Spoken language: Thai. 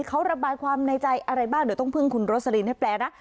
เขาระบายความในใจอะไรบ้างเดี๋ยวต้องพึ่งคุณโรสลินให้แปลนะ